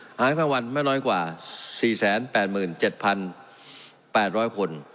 อาหารกลางวันไม่น้อยกว่า๔๘๗๘๐๐คน